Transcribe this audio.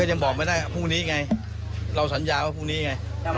ก็ยังบอกไม่ได้ค่ะพรุ่งนี้ไงเราสัญญาว่าพรุ่งนี้ไงนะครับ